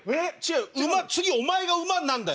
次お前が馬になるんだよ。